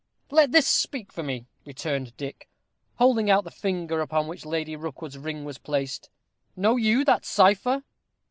"Let this speak for me," returned Dick, holding out the finger upon which Lady Rookwood's ring was placed. "Know you that cipher?"